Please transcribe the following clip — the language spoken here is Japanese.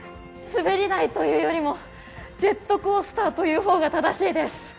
滑り台というよりも、ジェットコースターと言うほうが正しいです。